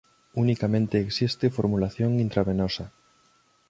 Unicamente existe formulación intravenosa.